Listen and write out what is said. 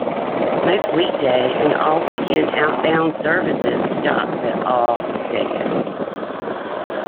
Most weekday and all weekend outbound services stops at all stations.